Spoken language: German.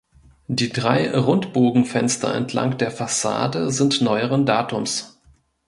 Die drei Rundbogenfenster entlang der Fassade sind neueren Datums.